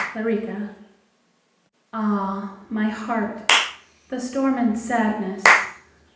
Liebesweh AH, my heart, the storm and sadness!